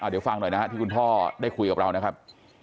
เดี๋ยวฟังหน่อยนะฮะที่คุณพ่อได้คุยกับเรานะครับ